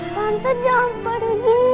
tante jangan pergi